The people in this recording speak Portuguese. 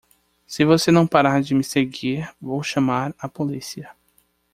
Se você não parar de me seguir, vou chamar a polícia.